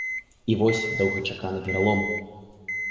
І вось доўгачаканы пералом.